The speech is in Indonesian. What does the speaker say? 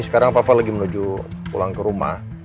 sekarang papa lagi menuju pulang ke rumah